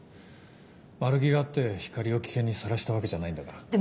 悪気があって光莉を危険にさらしたわけじゃないんだから。